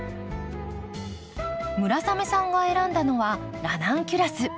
村雨さんが選んだのはラナンキュラス。